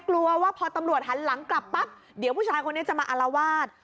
กลัวว่าพอตำรวจหันหลังกลับปั๊บเดี๋ยวผู้ชายคนนี้จะมาอารวาส